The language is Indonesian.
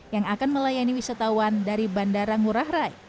yang akan melayani wisatawan dari bandara ngurah rai